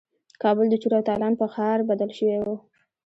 کابل د چور او تالان په ښار بدل شوی وو.